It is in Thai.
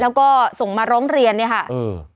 แล้วก็ส่งมาร้องเรียนเนี่ยค่ะอืม